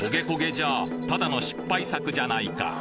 じゃあただの失敗作じゃないか